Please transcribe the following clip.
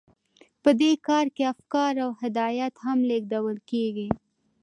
په دې کې افکار او هدایات هم لیږدول کیږي.